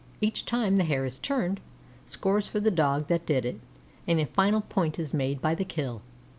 Each time the Hare is turned, scores for the Dog that did it, and a final point is made by the kill.